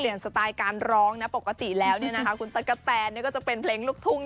เปลี่ยนสไตล์การร้องปกติแล้วคุณตะกะแตนเป็นเพลงลุกทุ่ง